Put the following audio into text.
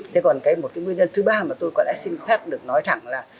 thế còn một cái nguyên nhân thứ ba mà tôi có lẽ xin phép được nói thẳng là